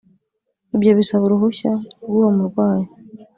ibyo bisaba uruhushya rw’uwo murwayi